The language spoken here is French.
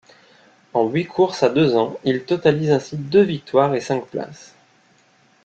En huit courses à deux ans, il totalise ainsi deux victoires et cinq places.